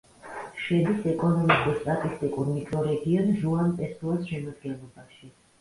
შედის ეკონომიკურ-სტატისტიკურ მიკრორეგიონ ჟუან-პესოას შემადგენლობაში.